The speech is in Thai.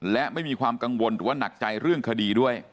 และไม่มีความกังวลหรือว่าหนักใจเรื่องคดีด้วย